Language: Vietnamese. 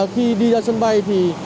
khi đi ra sân bay thì